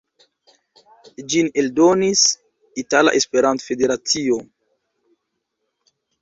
Ĝin eldonis Itala Esperanto-Federacio.